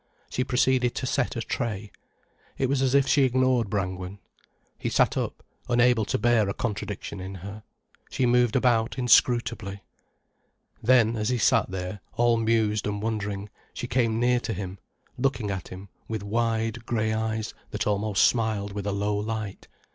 She proceeded to set a tray. It was as if she ignored Brangwen. He sat up, unable to bear a contradiction in her. She moved about inscrutably. Then, as he sat there, all mused and wondering, she came near to him, looking at him with wide, grey eyes that almost smiled with a low light.